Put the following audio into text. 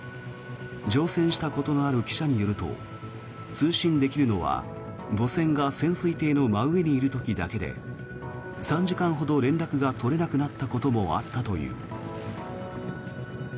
乗船したことのある記者によると通信できるのは、母船が潜水艇の真上にいる時だけで３時間ほど連絡が取れなくなったこともあったという。